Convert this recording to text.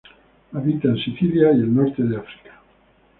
Habita en Sicilia y el norte de África.